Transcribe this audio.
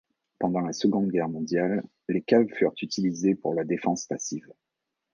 Pendant la Seconde Guerre mondiale, les caves furent utilisés pour la défense passive.